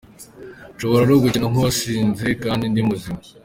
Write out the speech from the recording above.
Nshobora no gukina nk’uwasinze kandi ndi muzima.